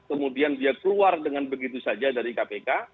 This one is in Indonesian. kemudian dia keluar dengan begitu saja dari kpk